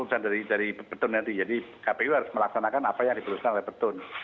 jadi dari pt un nanti jadi kpu harus melaksanakan apa yang diperhitungkan oleh pt un